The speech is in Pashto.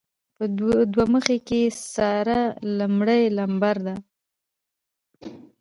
په دوه مخۍ کې ساره لمړی لمبر ده.